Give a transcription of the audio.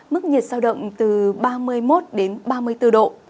mức nhiệt sao động từ ba mươi một đến ba mươi bốn độ